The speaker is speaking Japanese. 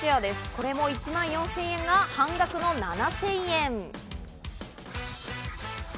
これも１万４０００円が半額の７０００円。